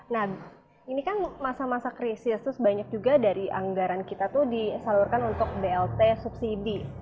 nah ini kan masa masa krisis tuh sebanyak juga dari anggaran kita tuh disalurkan untuk blt subsidi